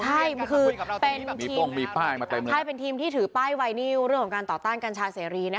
ใช่คือเป็นทีมที่ถือป้ายไวนิวเรื่องของการต่อต้านกัญชาเสรี